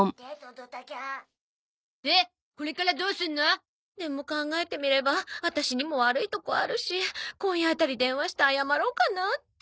でこれからどうするの？でも考えてみればワタシにも悪いとこあるし今夜あたり電話して謝ろうかなって。